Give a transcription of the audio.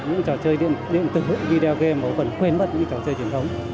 những trò chơi điện tử video game có phần khuyến mất những trò chơi truyền thống